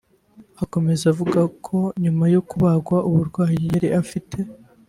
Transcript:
Akomeza avuga ko nyuma yo kubagwa uburwayi yari afite